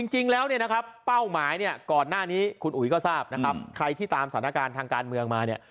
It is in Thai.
จริงแล้วเป้าหมายก่อนหน้านี้คุณอุ๋ยก็ทราบใครที่ตามสถานการณ์ทางการเมืองมา